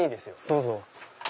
どうぞ。